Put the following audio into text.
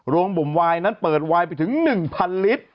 บุ่มวายนั้นเปิดวายไปถึง๑๐๐ลิตร